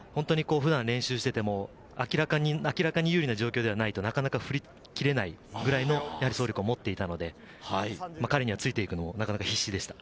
普段、練習していても明らかに有利な状況でないと振り切れない走力を持っていたので、彼にはついていくのも必死でした。